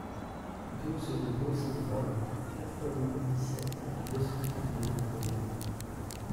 douze rue Paul Symphor, quatre-vingt-dix-sept, deux cent trente et un au Robert